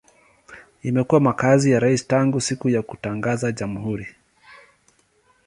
Imekuwa makazi ya rais tangu siku ya kutangaza jamhuri.